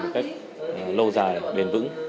một cách lâu dài bền vững